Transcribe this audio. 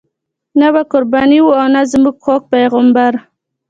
نه به قرباني وه او نه زموږ خوږ پیغمبر.